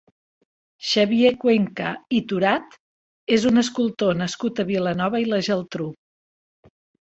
Xavier Cuenca Iturat és un escultor nascut a Vilanova i la Geltrú.